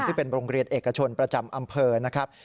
ซึ่งเป็นโรงเรียนเอกชนประจำอำเภอนะครับ